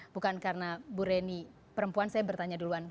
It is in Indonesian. bukan karena bu reni perempuan saya bertanya duluan